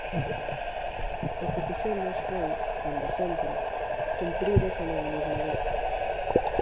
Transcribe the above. O que fixemos foi, dende sempre, cumprir esa legalidade.